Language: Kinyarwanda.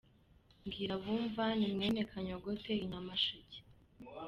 Mbwira abumva ni mwene Kanyogote I Nyamasheke.